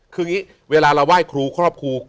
คืออย่างนี้เวลาเราไหว้ครูครอบครู